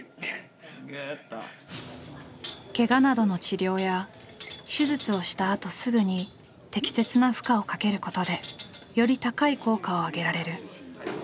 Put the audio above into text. けがなどの治療や手術をしたあとすぐに適切な負荷をかけることでより高い効果を上げられる。